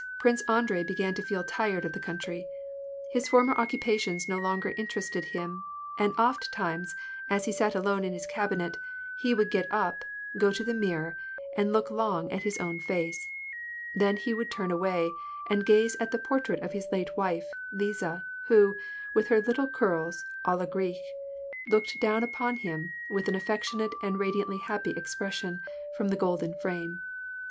Prince Andrei began to feel tired of the country ; his former occupations no longer interested him ; and ofttimes, as he sat alone in his cabinet, he would get up, go to the mirror, and look long at his own face. Then he would turn away, and gaze at the portrait of his late wife, Liza, who, with her little curls a la grecque, looked down upon him, with an affectionate and radiantly happy ex pression, from the golden frame.